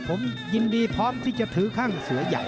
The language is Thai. ผมยินดีพร้อมที่จะถือข้างเสือใหญ่